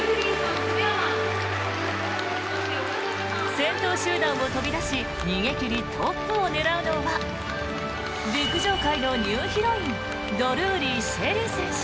先頭集団を飛び出し逃げ切りトップを狙うのは陸上界のニューヒロインドルーリー朱瑛里選手。